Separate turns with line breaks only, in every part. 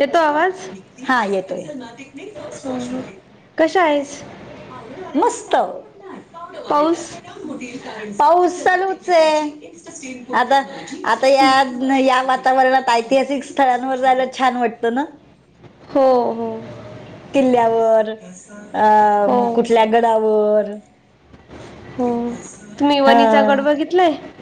येतो आवाज
हा येतोय.
[inaudible]
मस्त.
पाऊस
पाऊस चालूच आहे. आता आता या या वातावरणात ऐतिहासिक स्थळांवर जायला छान वाटतं ना.
हो हो.
किल्ल्यावर अ
हो
कुठल्या गडावर. हा
[unintelligible]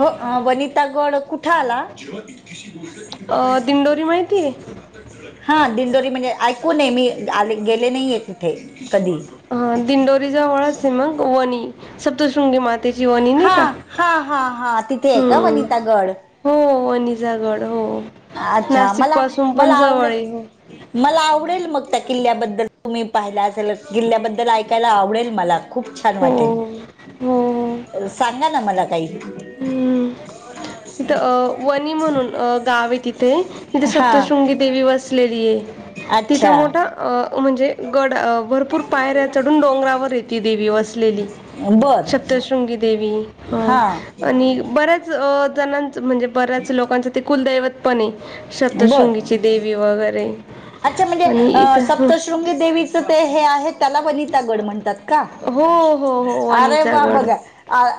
हो वनिता गड कुठे आला. अ गोष्ट इ त काही
अ, दिंडोरी
सांगात
माहितीये
समज. हा दिंडोरी म्हणजे ऐकू नये मी आले गेले नाही आहे तिथे कधी.
हां दिंडोरीजवळचे मग वणी. सप्तशृंगी मातेची वनी नाही
हा
का.
हा हा हा तिथे आहे का वनितागड
हो अनिजागड हो
अच्छा
नाशिक
मला
पासून
मला
पण जवळ आहे.
आवडेल मला आवडेल मग त्या किल्ल्याबद्दल तुम्ही पाहाला असेल किल्ल्याबद्दल ऐकायला आवडेल मला. खूप छान
हो हो
वाटेल सांगा ना मला काही
हम्म तिथं अ वणी म्हणून अ गाव आहे तिथे तथे
हा
सप्तशृंगी देवी वसलेली आहे तिथं
अच्छा
मोठं अ म्हणजे गड भरपूर पायऱ्या चढून डोंगरावर आहे ती देवी वसलेली
बर
सप्तशृंगी देवी ह
हा
आणि बऱ्याच अ जणच म्हणजे बऱ्याच लोकांच ते कुलदैवतपण आहे
बर
सतशृंगीची देवी वगैरे आणि इथं
शृंगी देवीच ते हे आहेत त्याला वनिता गड म्हणतात का?
हो हो हो
अरे
वणीचा
वाह
गड
बघा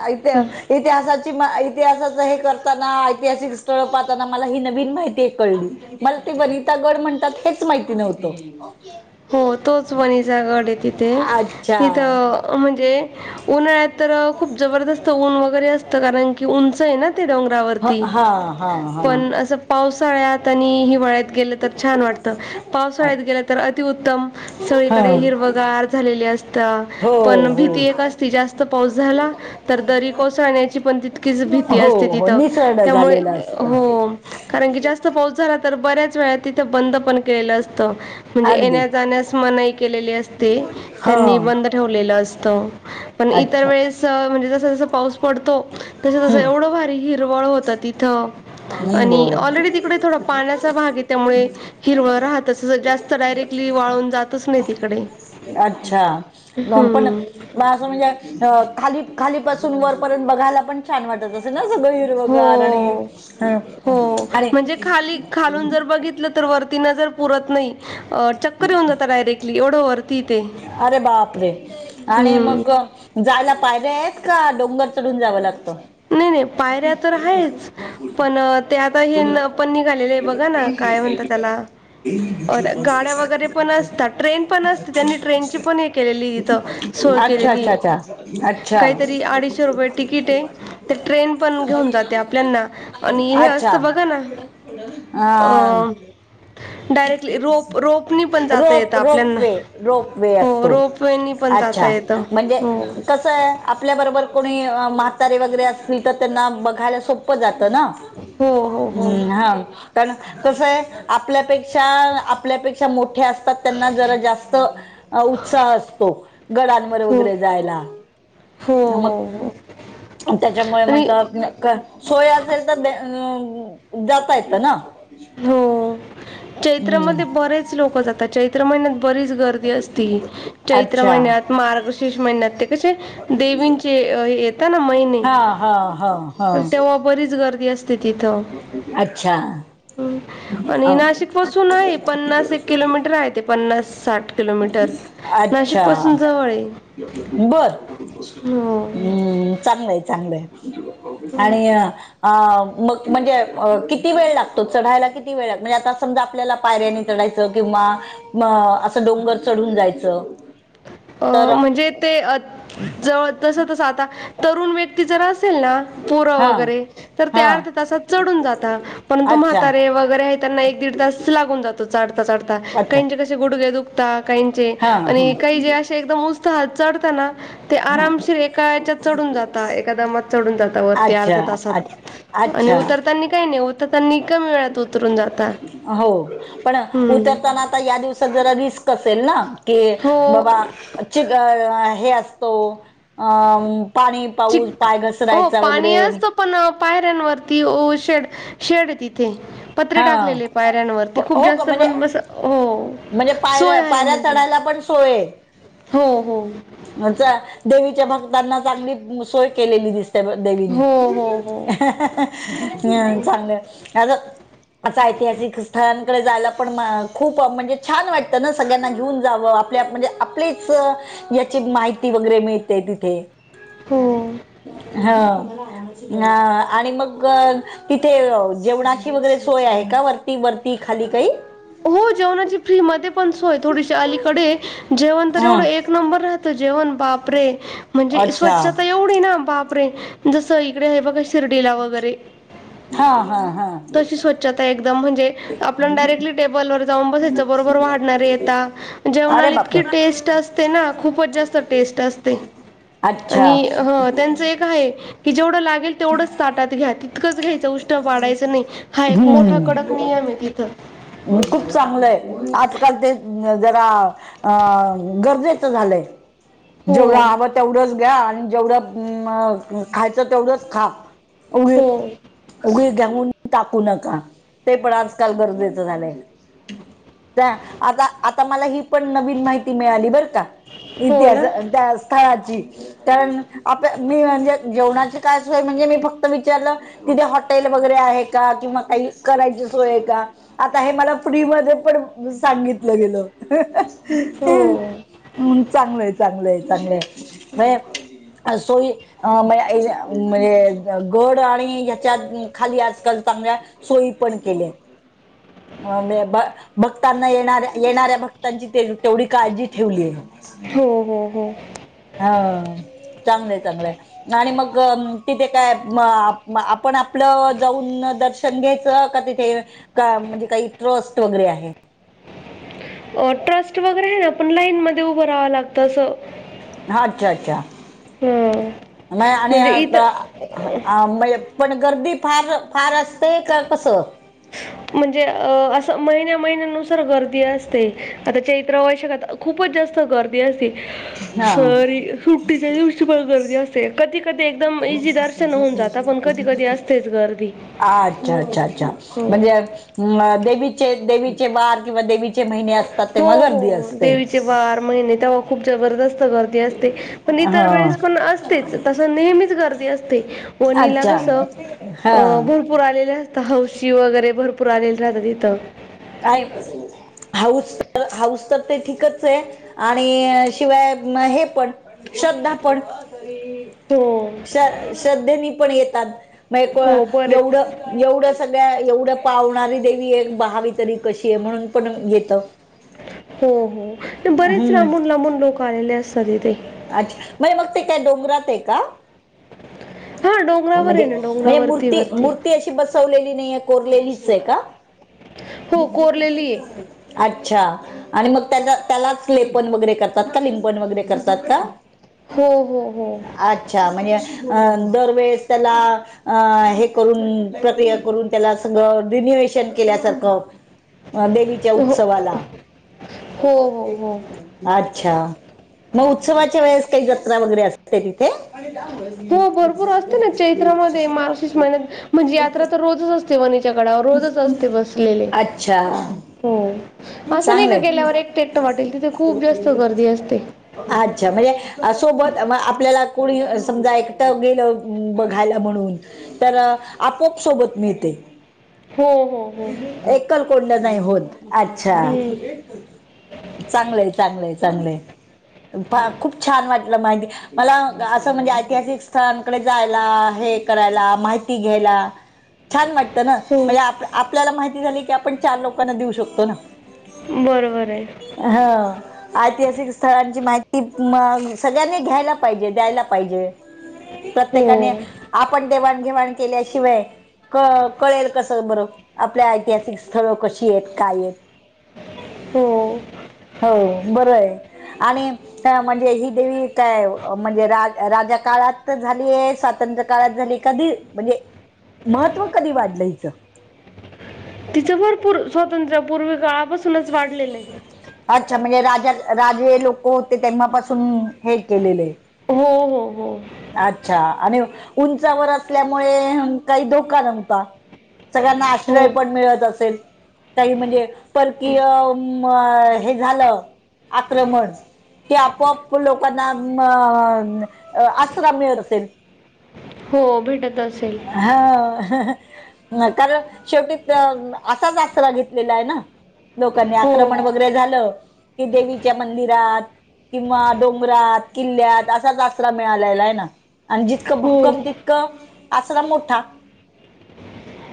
इथ इतिहासाची इतिहासाचं हे करताना ऐतिहासिक स्थळ पाहताना मला ही नवीन माहिती ते कळली मला ते वनितागड म्हणतात हेच माहिती नव्हतं
हो तोच वणीचागड आहे तिथे
अच्छा
तिथं म्हणजे उन्हाळ्यात तर खूप जबरदस्त ऊन वगैरे असतं कारण की उंच आहे ना ते
ह
डोंगरावरती
हा हा हा
पण असं पावसाळ्यात आणि हिवाळ्यात गेलं तर छान वाटत पावसाळ्यात गेल्या तर अतिउत्तम
ह
सगळीकडे हिरवगार झालेली असते तर
हो
पण
हो
भीती एक असती जास्त पाऊस झाला तर दरी कोसळण्याची पण तितकीच भीती
हो
असते
हो
तिथं
निसरड
त्यामुळे
झालेलं
हो
असत
कारण की जास्त पाऊस झाला तर बऱ्याच वेळा तिथं बंद पण केलेलं असत म्हणजे
अगदी
येण्या जाण्यास मनाई केलेली असते
हा
त्यांनी बंद ठेवलेलं असत पण इतर
अच्छा
वेळेस म्हणजे जस जस पाऊस पडतो तस तस एवढं भारी हिरवळ होत तिथ
हम्म
आणि
बर
ऑलरेडी ती पुढे थोडा पाण्याचा भाग आहे त्यामुळे हिरवळ राहत जास्त अस डायरेक्टली वाळून जातच नाही तिकडे
अच्छा दोन पण
हम्म
म्हणजे ज खाली खाली बसुन वरपर्यंत बघाय पण छान वाटत असे ना सगळं हिरगार आणि
हो
अ
हो
अरे
म्हणजे खाली खालून जर बघितलं तर वरती नजर पुरत नाही चक्कर येऊन जाता डायरेक्टली एवढ वर
अरे बापरे, आणि
हम्म
मग जायला पायऱ्या आहेत, का डोंगर चढून जावं लागतं?
नाही नाही, पायऱ्या तर आहेच, पण ते आता हे न पण निघालेलय बघा ना, काय म्हणता त्याला? अ गाड्या वगैरे पण असतात, ट्रेन पण असते, त्यांनी ट्रेनची पण हे केलेली इथं सोय
अच्छा
केलेली
अच्छा
आहे,
अच्छा अच्छा
काहीतरी अडीचशे रुपये तिकीट आहे ते ट्रेन पण घेऊन जाते आपल्याना, आणि हे असतं बघ ना
अ
डायरेक्टली रोप रोपनी पण जाता
रोप,
येतं
रोप
आपल्यांना
वे, रोप वे
हो
असतो.
रोपवेनी पण जाता
अच्छा
येतं
म्हणजे
हो
कसं आहे आपल्याबरोबर कोणी म्हातारी वगैरे असली तर त्यांना बघायला सोपं जातं ना
हो हो हो
हम्म हा कारण कस आहे आपल्यापेक्षा आपल्यापेक्षा मोठे असत त्यांना जरा जास्त उत्साह असतो गडांवर
हो हो
वगैरे जायला
हो
मग त्याच्यामुळे
आणि
म्हटलं का सोया असेल तर, जाता येतं ना?
हो,
हम्म
चैत्रामध्ये बरेच लोकं जातात, चैत्र महिन्यात बरीच गर्दी असती, चैत्र
अच्छा
महिन्यात, मार्गशिर्ष महिन्यात ते कसे देवींचे येत ना महिने
हा हा हा हा
पण तेव्हा बरीच गर्दी असते तिथं
अच्छा
ह आणि नाशिक पासून आहे पन्नास एक किलोमीटर आहे ते पन्नास साठ किलोमीटर नाशिक
अच्छा
पासून जवळ आहे.
बर
हो
हम्म चांगलंय चांगलंय आणि अ मग म्हणजे किती वेळ लागतो? चढायला किती वेळ म्हणजे आता समजा आपल्याला पायऱ्यानी चढायचं किंवा असं डोंगर चढून जायचं
अ
तर
म्हणजे ते जवळ तसं तसं आता तरुण व्य क्ती जर असेल ना पोरं
हा
वगैरे तर ते
हा
अर्ध्या तासात चढून जातात. पंतु
अच्छा
म्हातारे वगैरे आहे त्यांना एक दीड तास लागून जातो चढता चढता
अच्छा
काहिंचे कसे गुडगे दुख दा काहींचे
हा हम्म
तिकडे असे एकदम उत्साहात चढत ना ते आरामशीर एका याच्यात चढून जाता एका दमात चढून जाता वरती
अच्छा
अर्ध्या
अच्छ-
तासात आणि
अच्छा
उतरतानी काही नाही होत
हो, पण
हम्म.
उतरताना आता या दिवसात जरा रिस्क असेल ना की
हो
बाबा ची हे असतो अम पाणी पाऊस
चिक
पाय
हो
घसरायचा
पाणी
वगैरे
असतं पण पायऱ्यांवरती वो शेड शेड आहे तिथे पत्रे
हा
टाकलेले
हो
पायऱ्यांवरती खूप
हो का
जास्त
म्हणजे
पण बस हो
म्हणजे
सोय
पायऱ्या
आहे
पायऱ्या
म्हणजे
चढायला पण सोय आहे?
हो हो
मजा देवीच्या भक्तांना चांगली सोय केलेली दिसती. देवीनी
हो
गूड
हो
न्यूज
हो
हा हा हा हा चांगलं हॅलो असं ऐतिहासिक स्थळांकडे जायला पण खूप म्हणजे छान वाटत ना सगळ्यांना घेऊन जावं आपल्या म्हणजे आपलीच याची माहिती वगैरे मिळते तिथे
हो
हो हा आणि मग तिथे जेवणाची वगैरे सोय आहे का वरती वरती खाली काही?
हो, जेवणाची फ्री मध्ये पण सोय थोडीशी अलीकडे जेवण तर एवढं
हम्
एक नंबर राहत जेवण बापरे म्हणजे
अच्छा
स्वछता एवढी ना बापरे जसं इकडे आहे बघा शिर्डीला वगैरे
हा हा हा.
तशी स्वच्छता आहे एकदम म्हणजे आपण डायरेक्टली टेबलवर. जाऊन बसायच बरोबर वाढणारे येता.
अरे
जेवणाला इतकी
बापरे
टेस्ट असते ना खूपच जास्त टेस्ट असते
अच्छा
आणि ह त्यांच एक आहे कि जेवढं लागेल तेवढं ताात्या तितकंच घ्यायचं उष्टठ पायचं नाही हा एक मोठा
हम्म
कडक नियम आहे तिथं
खूप चांगलंय आजकाल ते जरा. अ गरजेचं झालंय
हो
जेवढं हवं तेवढंच घ्या आणि जेवढं खायचं तेवढंच खा. उघे
हो
उघी घेऊन टाकू नका ते पण आजकाल गरजेच झालंय त्या, आता, आता मला ही पण नवीन माहिती मिळाली बरं का?
हो
इतिहास
ना
त्या स्थळाची, कारण आप मी म्हणजे जेवणाची काय सोय म्हणजे मी फक्त विचारलं तिथे हॉटेल वगैरे आहे का किंवा काही करायची सोय का? आता हे मला फ्री मध्ये पण सांगितलं गेलं.
हो!
हम् चांगलंय चांगलंय चांगलंय. [inaudible] गड आणि ह्याच्या खाली आजकाल चांगल्या सोयी पण केल्यात. भक्तांना येणाऱ्या येणाऱ्या भक्तांची तेवढी काळजी ठेवली आहे.
हो हो हो
हा चांगलंय, चांगलंय. आणि मग तिथे काय आपण आपलं जाऊन दर्शन घ्यायचं का तिथे का म्हणजे काही ट्रस्ट वगैरे आहे?
अ ट्रस्ट वगैरे आहे ना पण लाईन मध्ये उभं राहावं लागतं असं.
अच्छा अच्छा!
हं
म आणि
म्हणजे इथं
[inaudible] पण गर्दी फार फार असते का कसं?
म्हणजे अ असं महिन्या महिन्यानुसार गर्दी असते, आता चैत्र वैशाख आता खूपच जास्त गर्दी असते
हा
सरी सुट्टीच्या दिवशी पण गर्दी असते. ते कधीकधी एकदम इझी दर्शन होऊन जात पण कधीकधी असतेच गर्दी.
अच्छा अच्छा अच्छा
हो.
म्हणजे देवीचे देवीचे वार किंवा देवीचे महिने असतात
हो
तेव्हा
हो
गर्दी
हो!
असते
देवीचे वार महिने त्या खूप जबरदस्त गर्दी असते पण इतर
हा
वेळेस पण अस तेच तस नेहमीच गर्दी असते वणीला
अच्छा
कसं
हा
भरपूर आलेले असतं हौशी वगैरे भरपूर आलेले राहतं तिथं.
कायमपासुनच आहे. हौस तर हौस तर ते ठीकच आहे आणि शिवाय हे पण श्रद्धा पण.
हो
श श्रद्धेनी पण येतात म
हो बरेच
एवढं एवढं सगळ्या एवढं पावणारी देवी आहे पाहावी तरी कशी आहे म्हणून पण येत.
हो हो, बरेच
हम्म
लांबून लांबून लोक आलेले असतात इथे.
अच्छा, म्हणे मग ते काय डोंगरात आहे का?
हा डोंगरावर
म्हणजे
आहे ना
म्हणजे
डोंगरावरती
मूर्ती
वरती
मूर् ती अशी बसवलेली नाही कोरलेलीच आहे का?
हो कोरलेली आहे
अच्छा आणि मग त्या त्यालाच लेपन वगैरे करतात का लिंपन वगैरे कर तात का?
हो हो हो!
अच्छा म्हणजे अ दरवेेळेस त्याला अं हे करून प्रक्रिया करून त्याला सगळं रिन्युवेशन केल्यासारखं अ देवीच्या
हो
उत्सवाला.
हो हो हो
अच्छा मग उत्सवाच्या वेळेस काही जत्रा वगैरे असते ति? [inaudible]
हो भरपूर असते ना चैत्रामध्ये मार्गशीष महिन्यात म्हणजे यात्रा तर रोजच असते. [inaudible] गडावर रोजच असते बसलेले
अच्छा
हो असं नाही का
चांगलंय
की गेल्यावर एकटं एकटं वाटेल तिथे खूप जास्त गर्दी असते.
अच्छा म्हणजे सोबत आपल्याला कोणी समजा एकटं गेलं बघायला म्हणून तर आपोआप सोबत मिळते
हो हो हो
एकलकोंड नाही होत अच्छा
हम्म,
चांगलं आहे चांगलं आहे चांगलं आहे खूप छान वाटलं [unintelligible] मला असं म्हणजे ऐतिहासिक स्थळकडे जायला हे करायला माहिती घ्यायला
[inaudible]
छान वाटतं ना
हो
म्हणजे आप आपल्याला माहिती झाली की आपण चार लोकांना देऊ शकतो ना.
बरोबर आहे
हाव ऐतिहासिक स्थळांची माहिती मग सगळ्यांनी घ्यायला पाहिजे द्यायला पाहिजे.
हो
प्रत्येकाने आपण देवाणघेवाण केल्याशिवाय क कळेल कसं बरं आपलि ऐतिहासिक स्थळं कशी आहेत काय आहेत.
हो
हो बर आहे आणि अ म्हणजे ही देवी काय म्हणजे राजा काळात झालीय स्वातंत्र्य काळात झाली कधी म्हणजे महत्व कधी वाढलं हिच
तिचं भरपूर स्वातंत्र्य पूर्वी काळापासूनच वाढलेलं आहे.
अच्छा म्हणजे राजा राजे लोक होते तेव्हा पासून हे केलेल आहे.
हो हो हो
अच्छा आणि उंचावर असल्यामुळे काही धोका नव्हता सगळ्यांना
हो
आश्रय पण
हो
मिळत असेल काही म्हणजे परकीय अ म हे झालं आक्रमण की आपोआप लोकांना म अ आश्रा मिळत असेल.
हो भेटत असेल.
ह हा हा कारण शेवटी असाच आसरा घेतलेला आहे ना लोकांनी
हो
आक्रमण वगैरे झालं की देवीच्या मंदिरात किंवा डोंगरात किल्ल्यात असाच आसरा मिळालेला आहे ना आणि जी जितकं
हो हो
भक्कम तितकं आसरा मोठा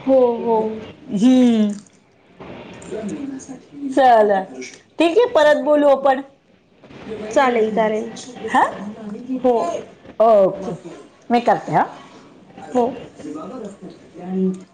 हो हो
हम्म चला ठीक आहे परत बोलू आपण
चालेल चालेल
हा
हो
ओके मी करते हा
हो